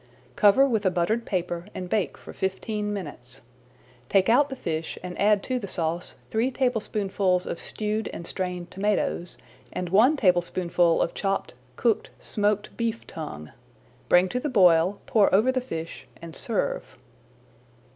Cover with a buttered paper and bake for fifteen minutes. Take out the fish and add to the sauce three tablespoonfuls of stewed and strained tomatoes and one tablespoonful of chopped, cooked, smoked beef tongue. Bring to the boil, pour over the fish, and serve.